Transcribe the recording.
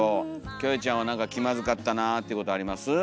キョエちゃんはなんか気まずかったなっていうことあります？